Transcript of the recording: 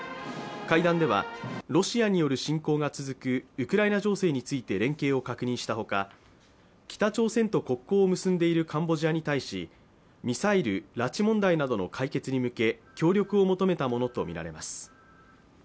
会談ではロシアによる侵攻が続くウクライナ情勢について連携を確認したほか、北朝鮮と国交を結んでいるカンボジアに対しミサイル・拉致問題などの解決に向け、協力を求めたものとみられます。